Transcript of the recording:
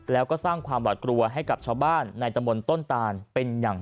แล้วก็สร้างความหวัดกลัวให้กับชาวบ้านในตะบนต้นตานเป็นอย่าง